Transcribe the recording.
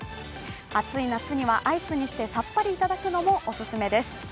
暑い夏には、アイスにしてさっぱりいただくのもおすすめです。